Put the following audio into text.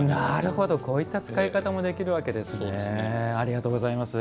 こういった使い方もできるわけですね。